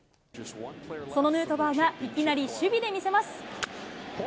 そのヌートバーがいきなり守備で見せます。